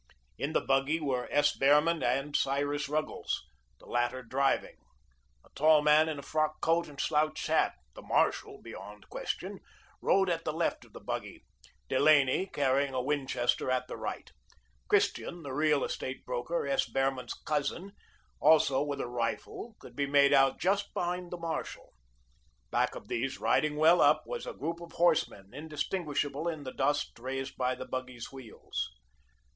In the buggy were S. Behrman and Cyrus Ruggles, the latter driving. A tall man in a frock coat and slouched hat the marshal, beyond question rode at the left of the buggy; Delaney, carrying a Winchester, at the right. Christian, the real estate broker, S. Behrman's cousin, also with a rifle, could be made out just behind the marshal. Back of these, riding well up, was a group of horsemen, indistinguishable in the dust raised by the buggy's wheels.